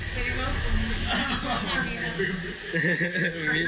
แชปหล่กลัว